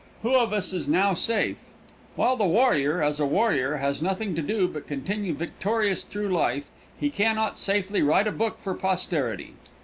Who of us is now safe? While the warrior, as a warrior, has nothing to do but continue victorious through life, he can not safely write a book for posterity.